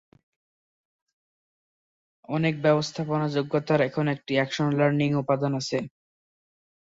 অনেক ব্যবস্থাপনা যোগ্যতার এখন একটি অ্যাকশন লার্নিং উপাদান আছে।